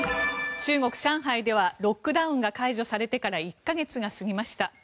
中国・上海ではロックダウンが解除されてから１か月が過ぎました。